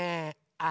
あ！